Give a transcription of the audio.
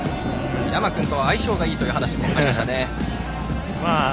山君と相性がいいという話もありましたね。